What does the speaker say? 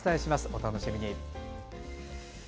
お楽しみに。